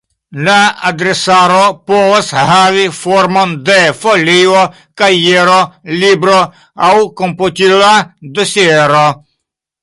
La adresaro povas havi formon de folio, kajero, libro aŭ komputila dosiero.